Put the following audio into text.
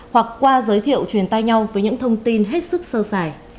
hoặc qua giới thiệu truyền tay nhau với những thông tin hết sức sơ sài